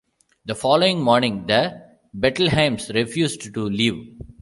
The following morning, the Bettelheims refused to leave.